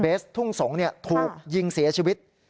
เบสทุ่งสงถูกยิงเสียชีวิต